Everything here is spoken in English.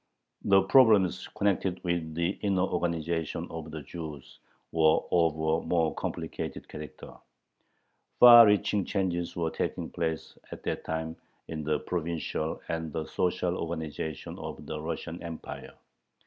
The problems connected with the inner organization of the Jews were of a more complicated character. Far reaching changes were taking place at that time in the provincial and the social organization of the Russian Empire.